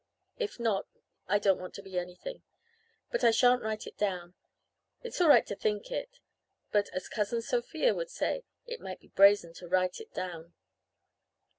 If not I don't want to be anything. But I shan't write it down. It is all right to think it; but, as Cousin Sophia would say, it might be brazen to write it down.